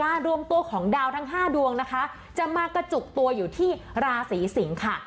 การรวมตัวของดาวทั้งห้าดวงจะมากระจกตัวอยู่ที่ราศรีสิงค่ะ